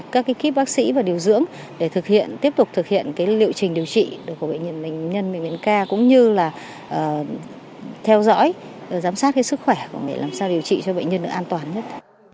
các kíp bác sĩ và điều dưỡng để tiếp tục thực hiện liệu trình điều trị của bệnh nhân bệnh viện k cũng như là theo dõi giám sát sức khỏe để làm sao điều trị cho bệnh nhân được an toàn nhất